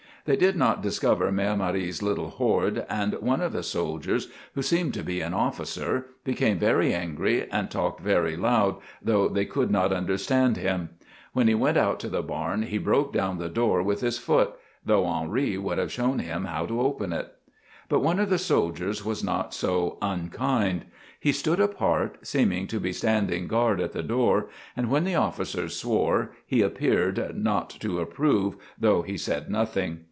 They did not discover Mère Marie's little hoard, and one of the soldiers, who seemed to be an officer, became very angry and talked very loud, though they could not understand him. When he went out to the barn he broke down the door with his foot, though Henri would have shown him how to open it. But one of the soldiers was not so unkind. He stood apart, seeming to be standing guard at the door, and when the officer swore he appeared not to approve, though he said nothing.